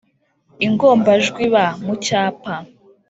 - ingombajwi b mu cyapa,